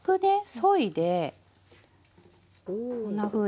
そいでこんなふうに。